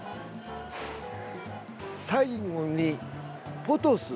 最後に、ポトス。